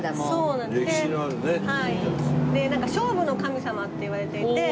勝負の神様っていわれていて。